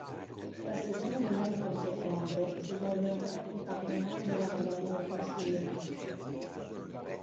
La seconda domenica di settembre si svolge la festa patronale della Madonna del Consiglio.